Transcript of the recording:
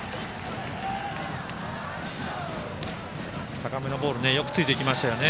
高めのボールよくついていきましたね。